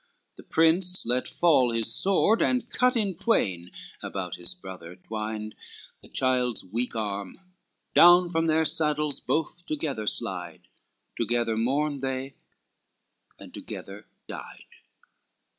The prince let fall his sword, and cut in twain About his brother twined, the child's weak arm. Down from their saddles both together slide, Together mourned they, and together died.